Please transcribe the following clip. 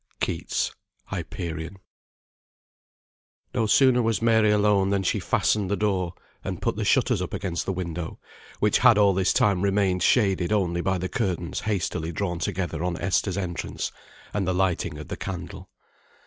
KEATS' "HYPERION." No sooner was Mary alone than she fastened the door, and put the shutters up against the window, which had all this time remained shaded only by the curtains hastily drawn together on Esther's entrance, and the lighting of the candle.